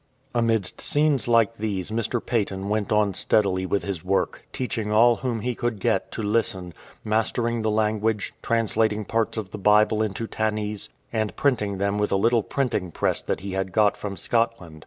Amidst scenes like this Mr. Paton went on steadily with his work, teaching all whom he could get to listen, master ing the language, translating parts of the Bible into Tannese, and printing them with a little printing press that he had got from Scotland.